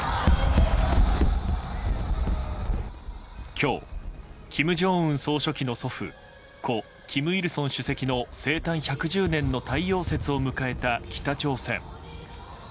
今日、金正恩総書記の祖父故・金日成主席の生誕１１０年の太陽節を迎えた北朝鮮。